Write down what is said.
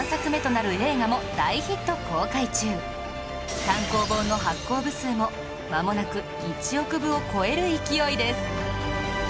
現在単行本の発行部数もまもなく１億部を超える勢いです